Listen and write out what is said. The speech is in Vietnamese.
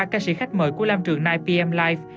ba ca sĩ khách mời của lam trường chín pm live